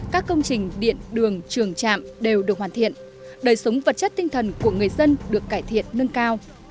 các công trình điện đường trường trạm đều được hoàn thiện đời sống vật chất tinh thần của người dân được cải thiện nâng cao